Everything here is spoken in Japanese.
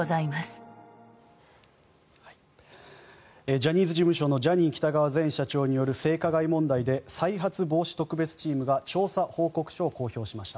ジャニーズ事務所のジャニー喜多川前社長による性加害問題で再発防止特別チームが調査報告書を公表しました。